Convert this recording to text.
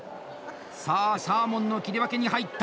さあ、サーモンの切り分けに入った。